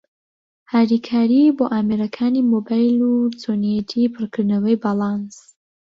هاریکارى بۆ ئامێرەکانى مۆبایل و چۆنیەتى پڕکردنەوەى باڵانس